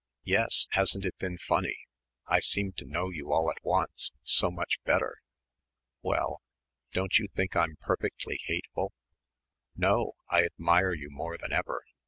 "Yes, hasn't it been funny? I seem to know you all at once so much better." "Well don't you think I'm perfectly hateful?" "No. I admire you more than ever.